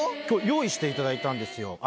今日用意していただいたんですよ